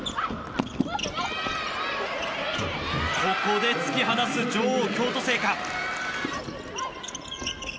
ここで突き放す女王・京都精華。